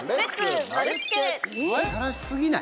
新しすぎない？